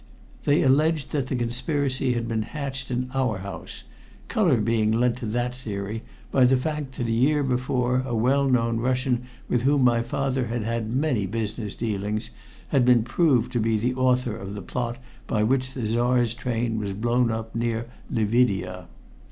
They alleged that the conspiracy had been hatched in our house, color being lent to that theory by the fact that a year before a well known Russian with whom my father had had many business dealings had been proved to be the author of the plot by which the Czar's train was blown up near Lividia.